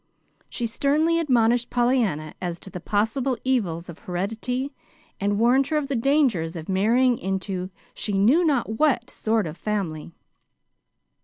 She sternly admonished Pollyanna as to the possible evils of heredity, and warned her of the dangers of marrying into she knew not what sort of family.